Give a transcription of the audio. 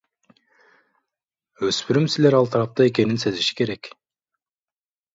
Өспүрүм силер ал тарапта экенин сезиши керек.